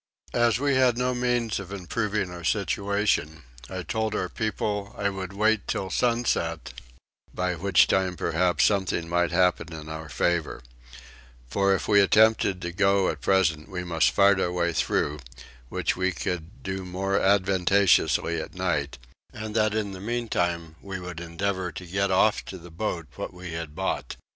As we had no means of improving our situation I told our people I would wait till sunset, by which time perhaps something might happen in our favour: for if we attempted to go at present we must fight our way through, which we could do more advantageously at night; and that in the meantime we would endeavour to get off to the boat what we had bought.